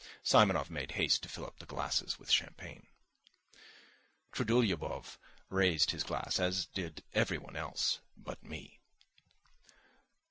Simonov made haste to fill up the glasses with champagne. Trudolyubov raised his glass, as did everyone else but me.